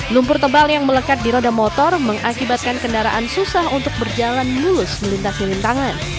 lumpur tebal yang melekat di roda motor mengakibatkan kendaraan susah untuk berjalan mulus melintasi lintangan